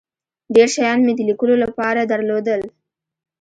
ډیر شیان مې د لیکلو له پاره درلودل.